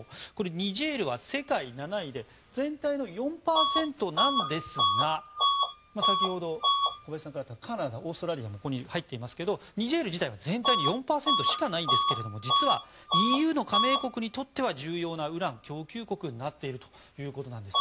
ニジェールは世界７位で全体の４％なんですが先ほど小林さんからあったカナダ、オーストラリアもここに入っていますけどニジェール自体は全体の４％しかないんですけれども実は、ＥＵの加盟国にとっては重要なウラン供給国になっているということです。